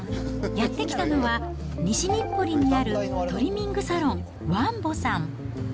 やって来たのは、西日暮里にあるトリミングサロン、ワンボさん。